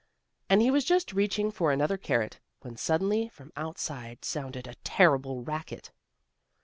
And he was just reaching for another carrot, when suddenly from outside sounded a terrible racket.